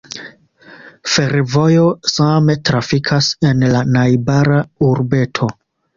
Fervojo same trafikas en la najbara urbeto.